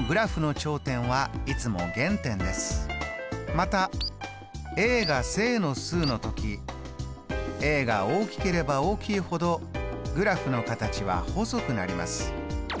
またが正の数の時が大きければ大きいほどグラフの形は細くなります。